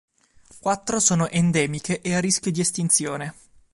Quattro sono endemiche e a rischio di estinzione.